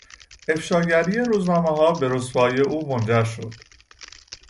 افشاگری روزنامهها به رسوایی او منجر شد.